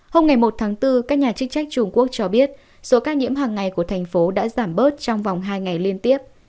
hôm ngày một tháng bốn các nhà chức trách trung quốc cho biết số ca nhiễm hàng ngày của thành phố đã giảm bớt trong vòng hai ngày liên tiếp